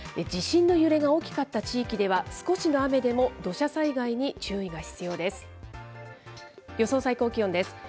地震の揺れが大きかった地域では、少しの雨でも土砂災害に注意が必要です。